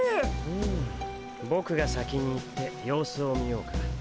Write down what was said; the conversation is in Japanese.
うんボクが先に行って様子を見ようか？